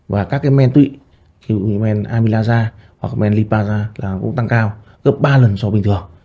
và các cái men tụy kiểu men amilasa hoặc men lipasa là cũng tăng cao gấp ba lần so với bình thường